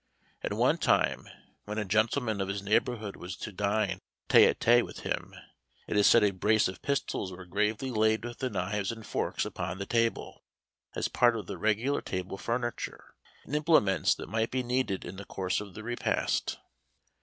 At one time, when a gentleman of his neighborhood was to dine tete a tete with him, it is said a brace of pistols were gravely laid with the knives and forks upon the table, as part of the regular table furniture, and implements that might be needed in the course of the repast.